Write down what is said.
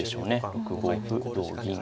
６五歩同銀。